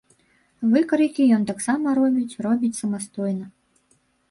Выкрайкі ён таксама робіць робіць самастойна.